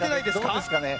どうですかね。